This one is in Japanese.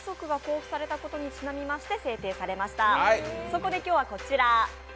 そこで今日はこちら。